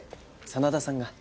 真田さんが。